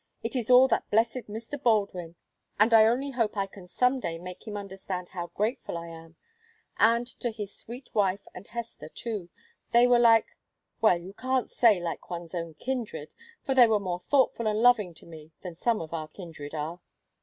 It is all that blessed Mr. Baldwin, and I only hope I can some day make him understand how grateful I am and to his sweet wife and Hester, too; they were like well, you can't say like one's own kindred, for they were more thoughtful and loving to me than some of our kindred are."